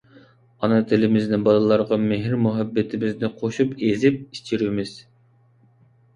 ئانا تىلىمىزنى بالىلارغا مېھىر-مۇھەببىتىمىزنى قوشۇپ ئېزىپ ئىچۈرىمىز.